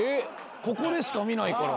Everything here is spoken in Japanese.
ここでしか見ないから。